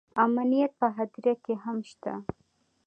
امنیت په هدیره کې هم شته